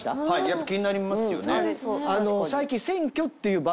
やっぱ気になりますよね。